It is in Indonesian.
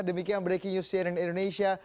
demikian breaking news cnn indonesia